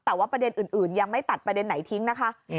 แต่ว่าประเด็นอื่นยังไม่ตัดประเด็นไหนทิ้งนะคะ